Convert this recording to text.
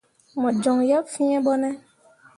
Mo joŋ yeb fee ɓone ?